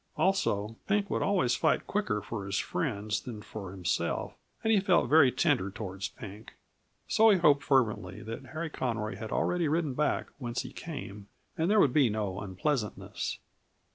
Also, Pink would always fight quicker for his friends than for himself, and he felt very tender toward Pink. So he hoped fervently that Harry Conroy had already ridden back whence he came, and there would be no unpleasantness.